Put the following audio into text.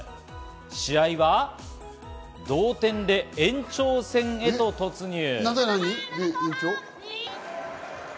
試合は同点で延長戦へと突入。